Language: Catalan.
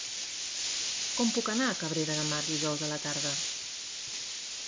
Com puc anar a Cabrera de Mar dijous a la tarda?